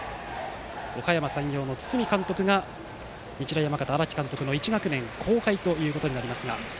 おかやま山陽の堤監督が日大山形の荒木監督の１学年後輩となりますが。